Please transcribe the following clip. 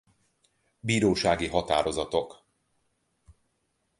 Bírósági Határozatok.